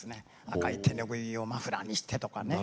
「赤い手拭をマフラーにして」とかね。